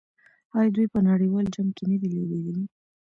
آیا دوی په نړیوال جام کې نه دي لوبېدلي؟